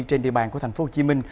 trên địa bàn của tp hcm